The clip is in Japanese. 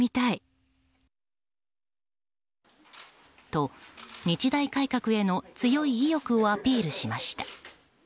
と、日大改革への強い意欲をアピールしました。